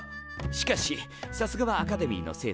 しかしさすがはアカデミーの生徒さん。